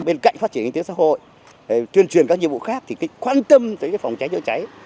bên cạnh phát triển kinh tế xã hội tuyên truyền các nhiệm vụ khác thì quan tâm tới phòng cháy chữa cháy